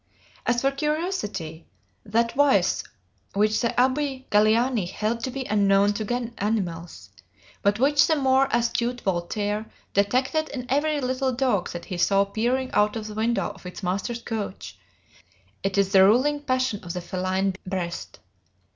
"As for curiosity, that vice which the Abbé Galiani held to be unknown to animals, but which the more astute Voltaire detected in every little dog that he saw peering out of the window of its master's coach, it is the ruling passion of the feline breast.